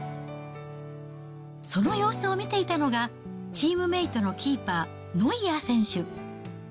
その様子を見ていたのが、チームメートのキーパー、ノイアー選手。